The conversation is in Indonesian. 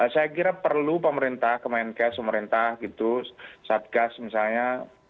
saya kira perlu pemerintah kemenkes pemerintah gitu satgas misalnya